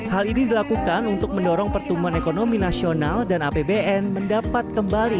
hal ini dilakukan untuk mendorong pertumbuhan ekonomi nasional dan apbn mendapat kembali